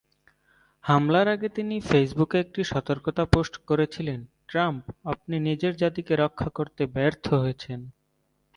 হামলার আগে তিনি ফেসবুকে একটি সতর্কতা পোস্ট করেছিলেন, "ট্রাম্প আপনি নিজের জাতিকে রক্ষা করতে ব্যর্থ হয়েছেন"।